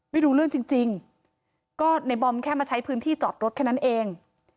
ไม่รู้เรื่องจริงก็ในบอมแค่มาใช้พื้นที่จอดรถแค่นั้นเอง